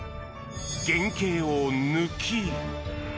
原型を抜き。